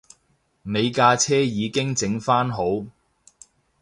你架車已經整番好